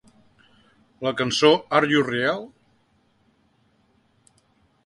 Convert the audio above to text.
La cançó Are You Real?